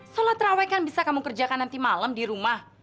sholat raweh kan bisa kamu kerjakan nanti malam di rumah